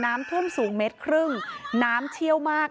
น้ำท่วมสูงเมตรครึ่งน้ำเชี่ยวมาก